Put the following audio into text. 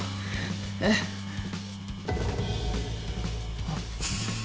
えっ？あっ。